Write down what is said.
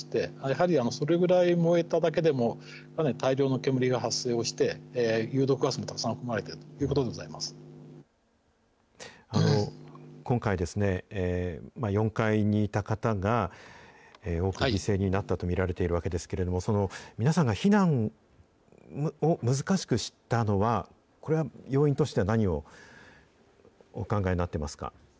それぐらい燃えただけでもかなりたくさん煙が発生して、有毒ガスも含まれているということでござ今回、４階にいた方が多く犠牲になったと見られているわけですけれども、その皆さんが避難を難しくしたのは、これは要因としては何をお考えになってますか？